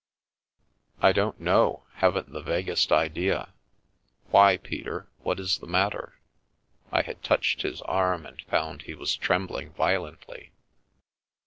" I don't know, haven't the vaguest idea. Why, Peter, what is the matter ?" I had touched his arm, and found he was trembling violently.